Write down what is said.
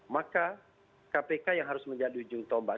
maka kpk yang harus menjadi ujung tombak